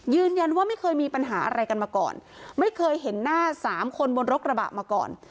ไม่เคยมีปัญหาอะไรกันมาก่อนไม่เคยเห็นหน้าสามคนบนรถกระบะมาก่อน